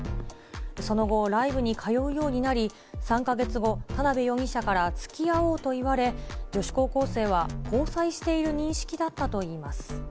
その後、ライブに通うようになり、３か月後、田辺容疑者からつきあおうと言われ、女子高校生は交際している認識だったといいます。